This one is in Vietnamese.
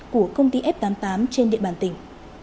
của công ty f tám mươi tám trên địa bàn tỉnh